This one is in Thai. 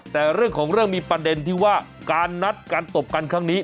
แต่เรื่องของเรื่องมีประเด็นที่ว่าการนัดการตบกันครั้งนี้